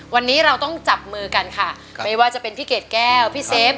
วันนี้เราต้องจับมือกันค่ะไม่ว่าจะเป็นพี่เกดแก้วพี่เซฟ